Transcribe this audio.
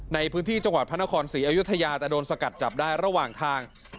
ในพื้นที่จังหวัดพระนครศรีอยุธยาแต่โดนสกัดจับได้ระหว่างทาง